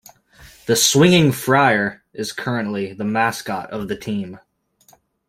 The "Swinging Friar" is currently the mascot of the team.